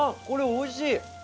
これおいしい！